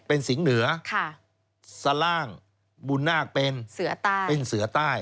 เป็นสิงห์เหนือสล่างบุญนากเป็นเสือใต้